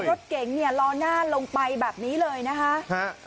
รถเก๋งรอน่านลงไปแบบนี้เลยนะฮะ